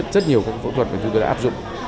rất nhiều các phẫu thuật mà chúng tôi đã áp dụng